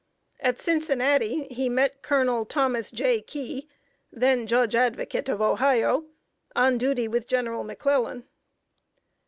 At Cincinnati, he met Colonel Thomas J. Key, then Judge Advocate of Ohio, on duty with General McClellan.